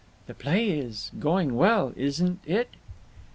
"The play is going well, isn't it?"